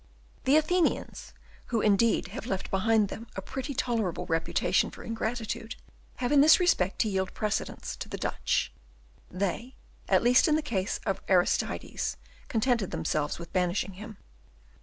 The Athenians, who indeed have left behind them a pretty tolerable reputation for ingratitude, have in this respect to yield precedence to the Dutch. They, at least in the case of Aristides, contented themselves with banishing him.